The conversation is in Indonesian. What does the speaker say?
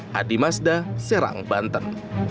hadi mazda serang banten